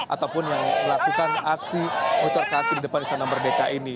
ataupun yang melakukan aksi otor kaki di depan istana merdeka ini